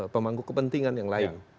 pemangku kepentingan yang lain